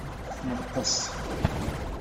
Neṭṭes.